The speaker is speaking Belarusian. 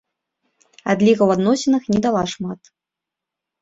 Адліга ў адносінах не дала шмат.